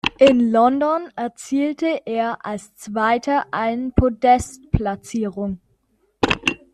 In London erzielte er als Zweiter eine Podest-Platzierung.